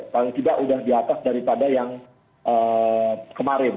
paling tidak sudah di atas daripada yang kemarin